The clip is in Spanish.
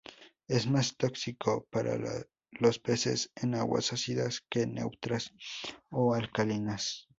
Es más tóxico para los peces en aguas ácidas que en neutras o alcalinas.